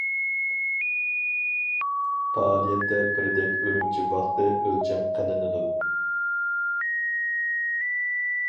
پائالىيەتتە بىردەك ئۈرۈمچى ۋاقتى ئۆلچەم قىلىنىدۇ.